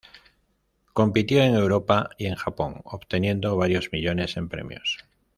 Compitió en Europa y en Japón, obteniendo varios millones en premios.